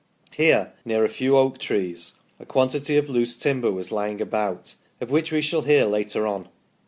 Here, near a few oak trees, a quantity of loose timber was lying about, of which we shall hear later on.